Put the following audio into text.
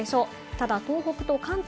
ただ東北と関東